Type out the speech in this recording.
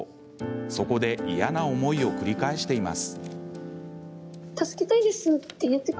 そこで嫌な思いを繰り返しています。